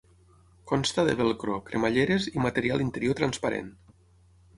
Consta de velcro, cremalleres i material interior transparent.